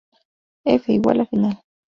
F= Final.